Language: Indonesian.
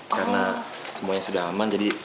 karena semuanya sudah aman jadi